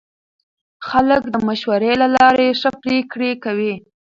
خلک د مشورې له لارې ښه پرېکړې کوي